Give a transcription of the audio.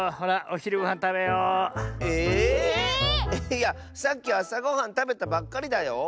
いやさっきあさごはんたべたばっかりだよ！